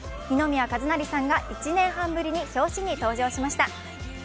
二宮和也さんが１年半ぶりに表紙に登場しました。